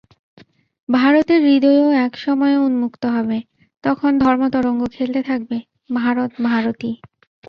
ভারতের হৃদয়ও এক সময়ে উন্মুক্ত হবে, তখন ধর্মতরঙ্গ খেলতে থাকবে! ভারত ভারতই।